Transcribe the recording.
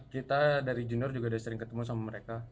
kita dari junior juga udah sering ketemu sama mereka